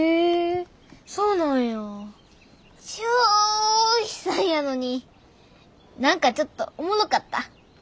チョー悲惨やのに何かちょっとおもろかった。